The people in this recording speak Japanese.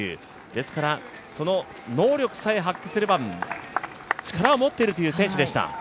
ですからその能力さえ発揮すれば力を持っているという選手でした。